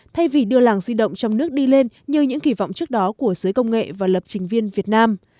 thay vì đưa làng di động trong nước đi lên như những kỳ vọng trước đó của giới công nghệ và lập trình viên việt nam